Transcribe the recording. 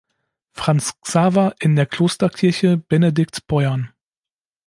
Franz Xaver in der Klosterkirche Benediktbeuern.